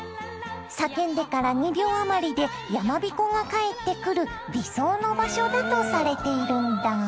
叫んでから２秒あまりでやまびこが返ってくる理想の場所だとされているんだ。